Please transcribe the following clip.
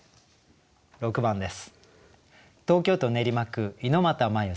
６番です。